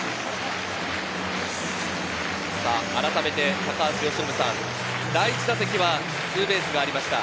あらためて高橋由伸さん、第１打席はツーベースがありました。